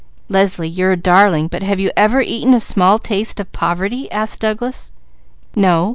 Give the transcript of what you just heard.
"Leslie, you're a darling, but have you ever had even a small taste of poverty?" asked Douglas. "No!